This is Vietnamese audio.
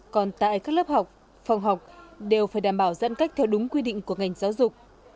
còn tại các lớp học phòng học đều phải đảm bảo giãn cách theo đúng quy định của ngành giáo dục